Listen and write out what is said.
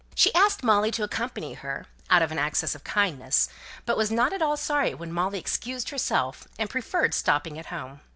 She asked Molly to accompany her, out of an access of kindness, but was not at all sorry when Molly excused herself and preferred stopping at home.